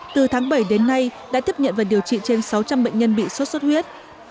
từ tháng bảy đến nay đã tiếp nhận và điều trị trên sáu trăm linh bệnh nhân bị sốt xuất huyết